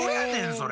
それ。